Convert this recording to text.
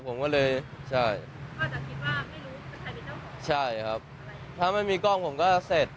ผมก็เลยใช่ก็จะคิดว่าไม่รู้ใช่ครับถ้าไม่มีกล้องผมก็เสร็จ